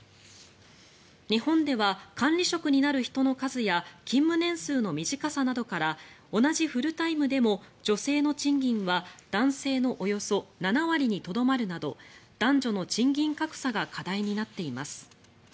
日本では管理職になる人の数や勤務年数の短さなどから同じフルタイムでも女性の賃金は男性のおよそ７割にとどまるなど男女の賃金格差が課題になっています。